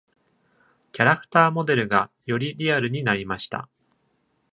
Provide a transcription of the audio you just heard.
キャラクターモデルがよりリアルになりました。